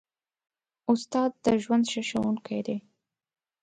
استاد د ژوند ښه ښوونکی دی.